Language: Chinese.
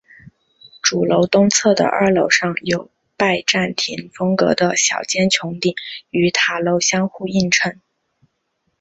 主楼东侧的二楼上有拜占廷风格的小尖穹顶与塔楼相互映衬。